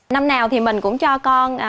năm nào thì mình cũng cho con